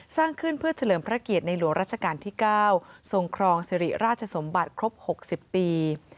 สร้างขึ้นเพื่อเฉลิมพระเกียรติในหลวงราชการที่๙ทรงครองสิริราชสมบัติครบ๖๐ปี